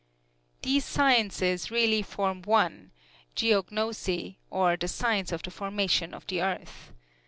These sciences really form one geognosy, or the science of the formation of the earth.